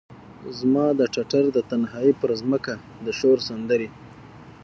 زما د ټټر د تنهایې پرمځکه د شور سندرې،